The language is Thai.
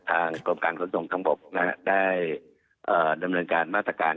ทางกรมการสนุกทั้งหมดได้ดำเนินการมาตรการ